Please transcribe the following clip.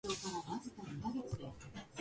寄せ手の大将の一人、土岐悪五郎